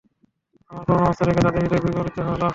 আমার করুণ অবস্থা দেখে তাদের হৃদয় বিগলিত হল।